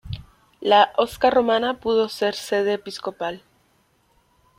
La "Osca" romana pudo ser sede episcopal.